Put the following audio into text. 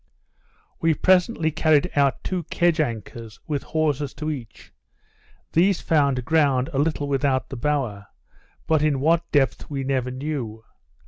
We presently carried out two kedge anchors, with hawsers to each; these found ground a little without the bower, but in what depth we never knew.